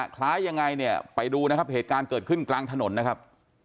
คล้ายยังไงเนี่ยไปดูนะครับเหตุการณ์เกิดขึ้นกลางถนนนะครับ